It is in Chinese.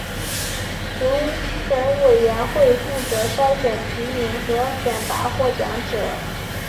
评审委员会负责筛选提名和选拔获奖者。